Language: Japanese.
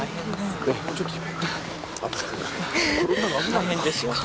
大変ですね。